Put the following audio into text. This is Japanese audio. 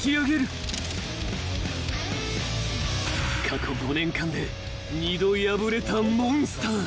［過去５年間で二度敗れたモンスター］